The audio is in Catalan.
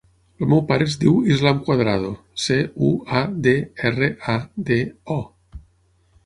El meu pare es diu Islam Cuadrado: ce, u, a, de, erra, a, de, o.